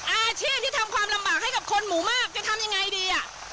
อาชีพที่ทำความลำบากให้กับคนหมู่มากจะทำยังไงดีอ่ะ